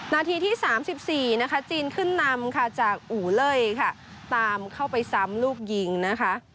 นาทีที่๓๔นะคะจีนขึ้นนำค่ะจากอู่เล่ยค่ะตามเข้าไปซ้ำลูกยิงนะคะ